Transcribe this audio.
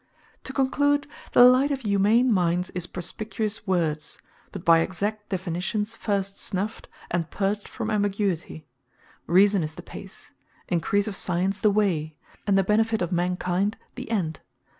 To conclude, The Light of humane minds is Perspicuous Words, but by exact definitions first snuffed, and purged from ambiguity; Reason is the Pace; Encrease of Science, the Way; and the Benefit of man kind, the End.